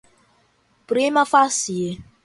prima facie